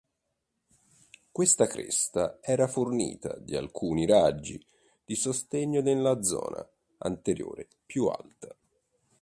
Questa cresta era fornita di alcuni “raggi” di sostegno nella zona anteriore, più alta.